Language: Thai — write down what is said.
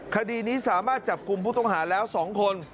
คดีนี้สามารถจับกลุ่มผู้ต้องหาแล้ว๒คน